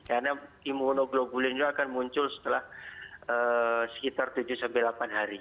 karena imunoglobulinnya akan muncul setelah sekitar tujuh sampai delapan hari